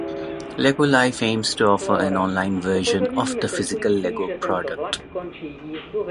Lego Life aims to offer an online version of the physical Lego product.